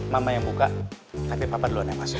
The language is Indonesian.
mama yang buka tapi papa duluan yang masuk